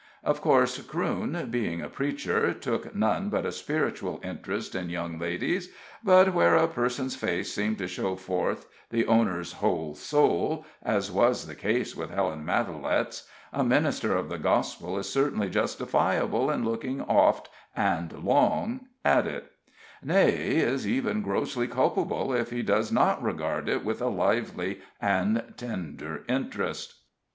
Of course, Crewne, being a preacher, took none but a spiritual interest in young ladies; but where a person's face seems to show forth the owner's whole soul, as was the case with Helen Matalette's, a minister of the Gospel is certainly justifiable in looking oft and long at it nay, is even grossly culpable if he does not regard it with a lively and tender interest.